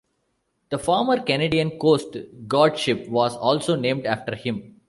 The former Canadian Coast Guard Ship was also named after him.